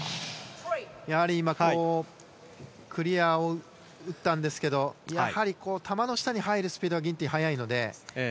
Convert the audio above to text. クリアを打ったんですけどやはり球の下に入るスピードがギンティンは速いので。